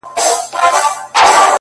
خو ژوند حتمي ستا له وجوده ملغلري غواړي ـ